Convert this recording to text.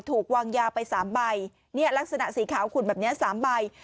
ถูกวางยาไป๓ใบลักษณะสีขาวขุ่นแบบนี้๓ใบ